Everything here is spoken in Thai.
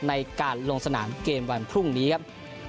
ในการลงสนามเกมวันพรุ่งนี้ครับ